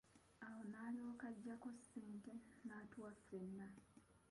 Awo n'alyoka aggyayo ssente n'atuwa ffenna,